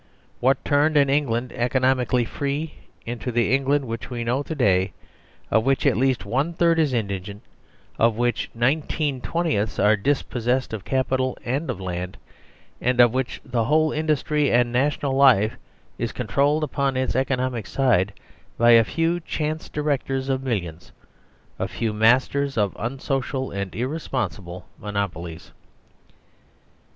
What turned an England eco nomically free into the England which we know to day, of which at least one third is indigent, of which nineteen twentieths are dispossessed of capital and of land, and of which the whole industry and national life is controlled upon its economic side by a few chance directors of millions, a few masters of unsocial and irresponsible monopolies